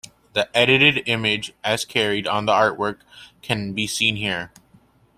The edited image, as carried on the artwork, can be seen here.